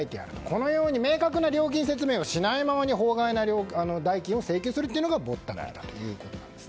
このように明確な料金説明をしないままに法外の代金を請求するのがぼったくりだということです。